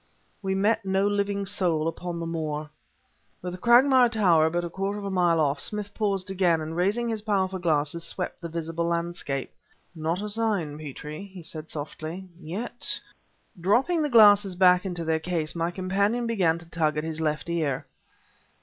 We met no living soul upon the moor. With Cragmire Tower but a quarter of a mile off, Smith paused again, and raising his powerful glasses swept the visible landscape. "Not a sign. Petrie," he said, softly; "yet..." Dropping the glasses back into their case, my companion began to tug at his left ear.